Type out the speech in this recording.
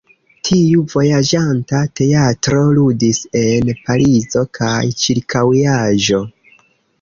Tiu vojaĝanta teatro ludis en Parizo kaj ĉirkaŭaĵo.